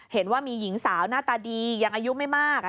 เห็นว่ามีหญิงสาวหน้าตาดียังอายุไม่มาก